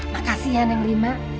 makasih ya neng rima